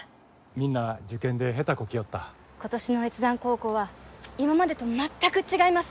みんな受験で下手こきよった今年の越山高校は今までと全く違います